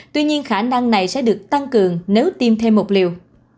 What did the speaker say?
tuy nhiên khả năng này sẽ được tăng cường nếu tiêm thêm một liều